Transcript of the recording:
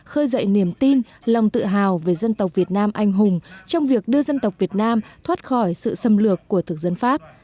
khơi dậy niềm tin lòng tự hào về dân tộc việt nam anh hùng trong việc đưa dân tộc việt nam thoát khỏi sự xâm lược của thực dân pháp